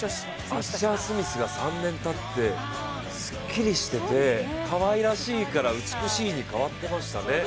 アッシャー・スミスが３年たってすっきりしてて、かわいらしいから美しいに変わってましたね。